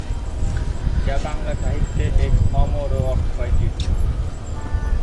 যা বাংলা সাহিত্যে এক অমর ও অক্ষয় কীর্তি।